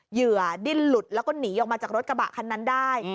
เหยื่อดิ้นหลุดแล้วก็หนีออกมาจากรถกระบะคันนั้นได้